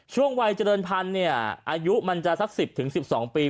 ช่วงวัยเจริญพันธุ์เนี่ยอายุมันจะสัก๑๐๑๒ปี